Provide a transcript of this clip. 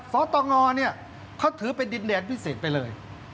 สตงเนี่ยเขาถือเป็นดินแดนพิเศษไปเลย